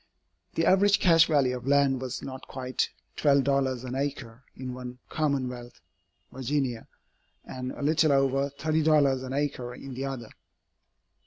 The average cash value of land was not quite $12 an acre in one commonwealth (Virginia), and a little over $30 an acre in the other.